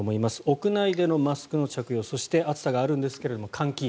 屋内でのマスクの着用そして暑さがありますが、換気。